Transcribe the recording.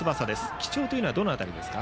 貴重というのはどの辺りですか？